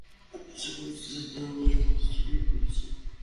ইবলীসের পরিচিতিতে আমি এ হাদীসটি উল্লেখ করেছি।